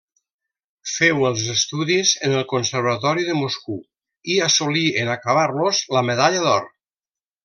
Féu els estudis en el Conservatori de Moscou, i assolí en acabar-los la medalla d'or.